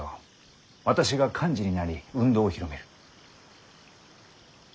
私が幹事になり運動を広める。